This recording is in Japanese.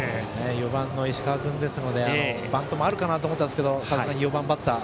４番の石川君ですのでバントもあるかと思ったんですがさすがに４番バッター。